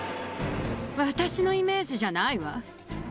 私のイメージじゃないわ。